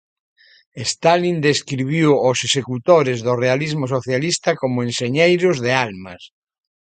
Stalin describiu os executores do realismo socialista como "enxeñeiros de almas".